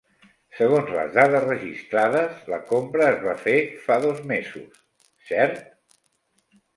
Segons les dades registrades la compra es va fer fa dos mesos, cert?